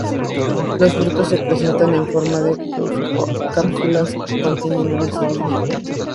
Los frutos se presentan en forma de cápsulas que contienen una semilla.